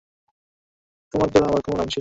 তো, মায়ের নাম উজ্জ্বল করার সময় এসে গেছে।